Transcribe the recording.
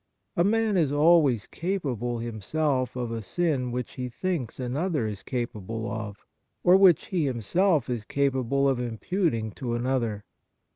A man is always capable himself of a sin which he thinks another is capaljle of, or which he himself is capable of imputing to another.